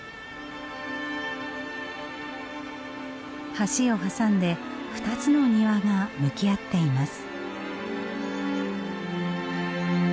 橋を挟んで２つの庭が向き合っています。